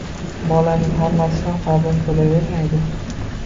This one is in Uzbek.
Bolaning hammasi ham farzand bo’lavermaydi.